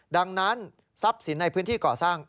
ดังนั้นทรัพย์สินในพื้นที่ก่อสร้าง